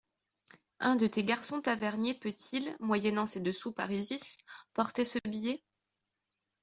Un de tes garçons taverniers peut-il, moyennant ces deux sous parisis, porter ce billet ?